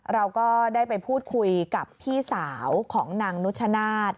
เราก็ได้ไปพูดคุยกับพี่สาวของนางนุชนาธิ์